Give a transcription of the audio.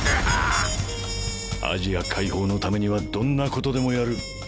アジア解放のためにはどんなことでもやる。